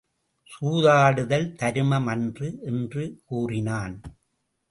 சூதாடுதல் தருமம் அன்று என்று கூறினான்.